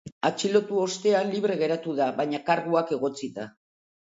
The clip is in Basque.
Atxilotu ostean, libre geratu da, baina karguak egotzita.